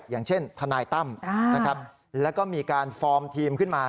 อย่างเช่นทนายตั้มนะครับแล้วก็มีการฟอร์มทีมขึ้นมา